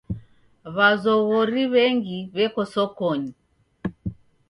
W'azoghori w'engi w'eko sokonyi.